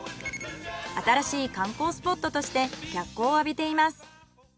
新しい観光スポットとして脚光を浴びています。